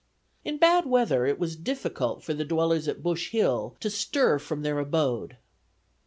In bad weather it was difficult for the dwellers at Bush Hill to stir from their abode.